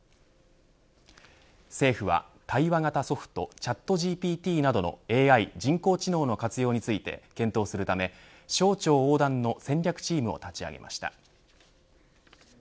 政府は対話型ソフトチャットＧＰＴなどのＡＩ人工知能の活用について検討するため、省庁横断の戦略チームを立ち上げました。